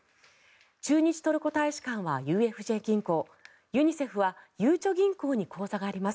駐日トルコ大使館はＵＦＪ銀行ユニセフはゆうちょ銀行に口座があります。